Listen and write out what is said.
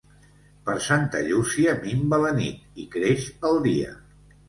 Per Santa Llúcia minva la nit i creix el dia.